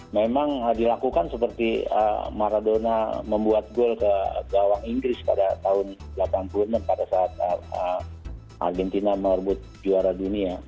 memang dilakukan seperti maradona membuat gol ke gawang inggris pada tahun delapan puluh an pada saat argentina melebut juara dunia